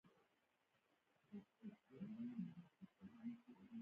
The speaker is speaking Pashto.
خو پر غوټه شویو رسیو به یې معلومات ثبتول.